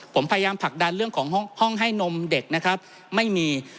ผมพยายามผลักดันเรื่องของห้องให้นมเด็กนะครับไม่มี